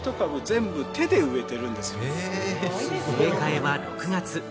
植え替えは６月。